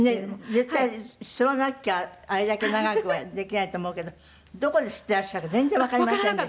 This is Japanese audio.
絶対吸わなきゃあれだけ長くはできないと思うけどどこで吸っていらっしゃるか全然わかりませんでした。